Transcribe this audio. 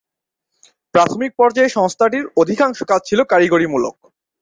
প্রাথমিক পর্যায়ে সংস্থাটির অধিকাংশ কাজ ছিল কারিগরীমূলক।